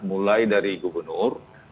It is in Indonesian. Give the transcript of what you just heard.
mulai dari gubernur